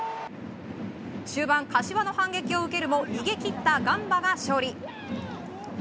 終盤、柏の反撃を受けるも逃げきったガンバが勝利。